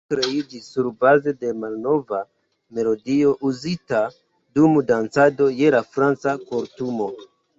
Ĝi kreiĝis surbaze de malnova melodio uzita dum dancado je la Franca kortumo.